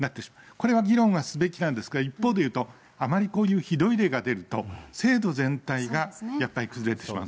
これは議論すべきなんですが、一方で言うと、あまりこういうひどい例が出ると、制度全体がやっぱり崩れてしまう。